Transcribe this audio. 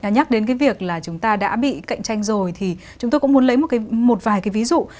nhắc đến cái việc là chúng ta đã bị cạnh tranh rồi thì chúng tôi cũng muốn lấy một vài cái ví dụ